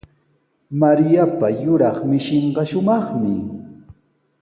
Mariapa yuraq mishinqa shumaqmi.